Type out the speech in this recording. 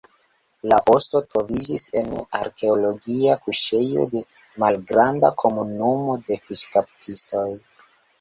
La osto troviĝis en arkeologia kuŝejo de malgranda komunumo de fiŝkaptistoj.